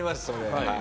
はい。